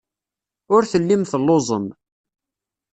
Ur tellim telluẓem.